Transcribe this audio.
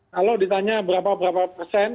kalau ditanya berapa berapa persen